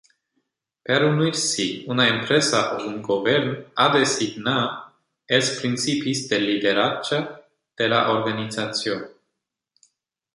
Per unir-s'hi, una empresa o un govern ha de signar els principis de lideratge de la organització.